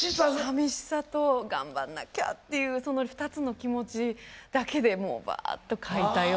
さみしさと頑張んなきゃっていうその２つの気持ちだけでもうバーッと書いたような。